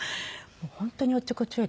本当におっちょこちょいで。